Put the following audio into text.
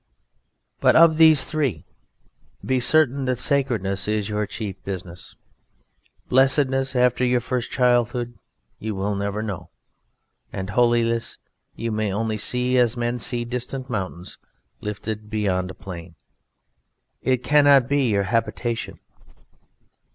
But, of these three, be certain that sacredness is your chief business, blessedness after your first childhood you will never know, and holiness you may only see as men see distant mountains lifted beyond a plain; it cannot be your habitation.